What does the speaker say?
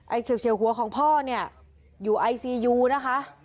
ไอ้เชียวเชียวหัวของพ่อเนี่ยอยู่ไอซียูนะคะ